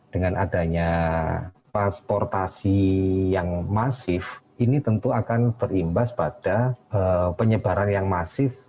dengan adanya transportasi yang masif ini tentu akan berimbas pada penyebaran yang masif